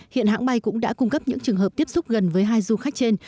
hiện hãng bay cũng đã cung cấp những trường hợp tiếp xúc gần với hai du khách trên